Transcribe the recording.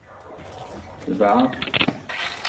Tebɛeɣ-tt.